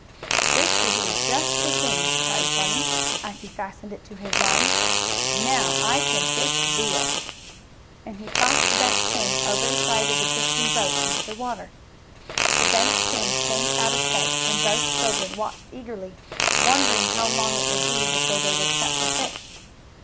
"This will be just the thing!" cried Bunny, as he fastened it to his line. "Now I can fish real," and he tossed the bent pin over the side of the drifting boat into the water. The bent pin sank out of sight, and both children watched eagerly, wondering how long it would be before they would catch a fish.